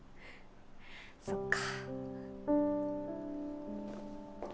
そっか。